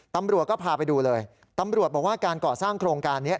ตำรวจก็พาไปดูเลยตำรวจบอกว่าการก่อสร้างโครงการนี้